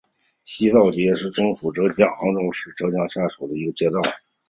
西兴街道是中国浙江省杭州市滨江区下辖的一个街道。